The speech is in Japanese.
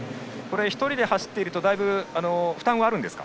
１人で走っているとだいぶ負担はあるんですか。